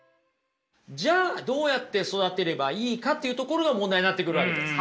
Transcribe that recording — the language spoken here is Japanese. じゃあどうやって育てればいいかっていうところが問題になってくるわけです。